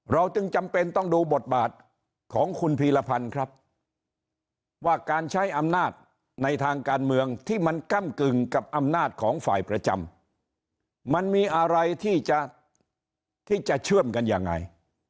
จึงจำเป็นต้องดูบทบาทของคุณพีรพันธ์ครับว่าการใช้อำนาจในทางการเมืองที่มันก้ำกึ่งกับอำนาจของฝ่ายประจำมันมีอะไรที่จะที่จะเชื่อมกันยังไง